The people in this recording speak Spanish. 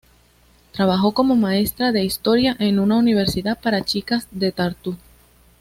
Trabajó como maestra de historia en una universidad para chicas de Tartu.